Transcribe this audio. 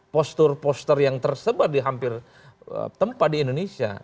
postur poster yang tersebar di hampir tempat di indonesia